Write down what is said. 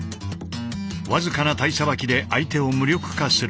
僅かな体捌きで相手を無力化する。